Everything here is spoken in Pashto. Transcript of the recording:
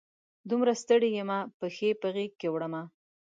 دومره ستړي یمه، پښې په غیږ کې وړمه